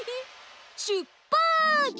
しゅっぱつ！